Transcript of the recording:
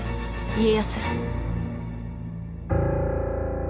家康。